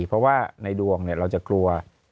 เพราะว่าในดวงเราจะกลัว